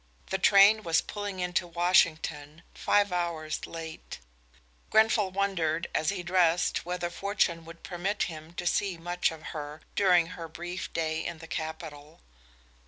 The train was pulling into Washington, five hours late. Grenfall wondered, as he dressed, whether fortune would permit him to see much of her during her brief day in the capital.